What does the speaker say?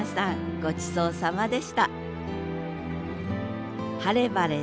ごちそうさまでした！